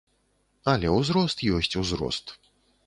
Але ўзрост ёсць узрост.